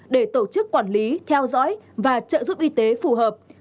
để tổ chức quản lý theo dõi và trợ giúp y tế phù hợp